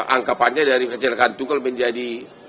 angkapannya dari kecelakaan tunggal menjadi